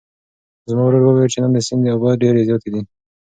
زما ورور وویل چې نن د سیند اوبه ډېرې زیاتې دي.